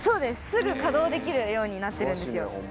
すぐ稼働できるようになってるんですよ。